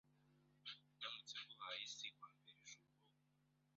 Ndamutse nguhaye isi wambera ijuru wowe